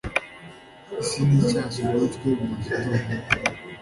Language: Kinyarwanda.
isi ni shyashya kuri twe buri gitondo